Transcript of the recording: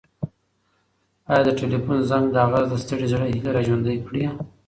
ایا د تلیفون زنګ د هغه د ستړي زړه هیلې راژوندۍ کړې؟